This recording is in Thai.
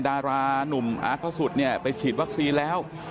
ดารานุ่มอาร์ตพระสุทธิ์เนี่ยไปฉีดวัคซีนแล้ว